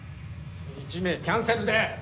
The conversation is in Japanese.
１名キャンセルで！